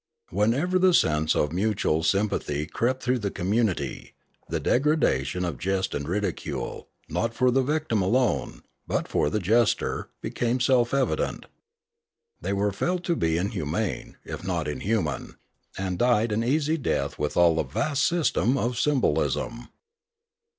Whenever the sense of mutual sym pathy crept through the community, the degradation of jest and ridicule, not for the victim alone, but for the jester, became self evident. They were felt to be in humane, if not inhuman, and died an easy death with all the vast system of symbolism.